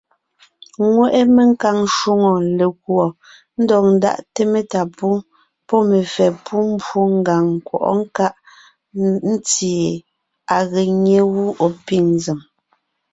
Ŋweʼe menkàŋ shwòŋo lekùɔ ndɔg ndáʼte metá pú pɔ́ mefɛ́ pú mbwó ngàŋ nkwɔʼɔ́ nkáʼ ntí gie à ge nyé gú ɔ̀ pîŋ nzèm.